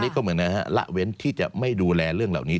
ก็เหมือนนะฮะละเว้นที่จะไม่ดูแลเรื่องเหล่านี้